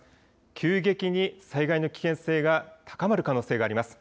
急激に災害の危険性が高まる可能性があります。